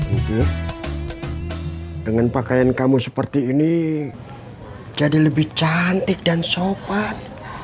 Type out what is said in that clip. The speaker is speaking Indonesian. gitu dengan pakaian kamu seperti ini jadi lebih cantik dan sopan